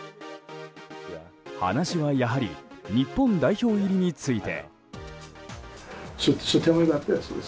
話は、やはり日本代表入りについて。